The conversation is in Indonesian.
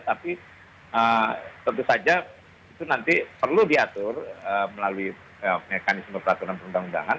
tapi tentu saja itu nanti perlu diatur melalui mekanisme peraturan perundang undangan